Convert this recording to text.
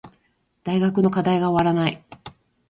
大学の課題が終わらない